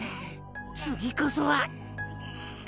次こそは。